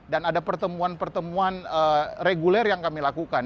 dan ada pertemuan pertemuan reguler yang kami lakukan